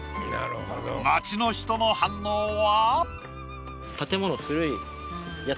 街の人の反応は？